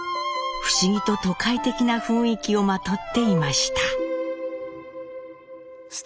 不思議と都会的な雰囲気をまとっていました。